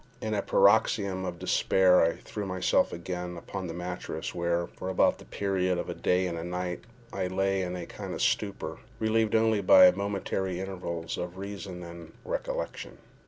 In a paroxysm of despair I threw myself again upon the mattress, where, for about the period of a day and night, I lay in a kind of stupor, relieved only by momentary intervals of reason and recollection.